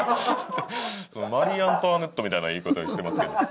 マリー・アントワネットみたいな言い方してますけど。